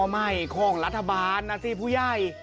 ไม่ของรัฐบาลนะสิผู้ใหญ่